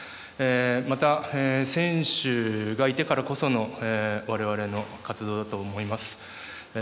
また、選手がいたからこその我々の活動だと思います。